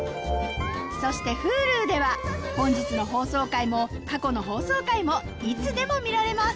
そしてＨｕｌｕでは本日の放送回も過去の放送回もいつでも見られます